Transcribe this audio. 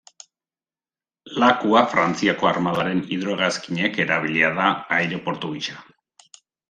Lakua Frantziako armadaren hidrohegazkinek erabilia da, aireportu gisa.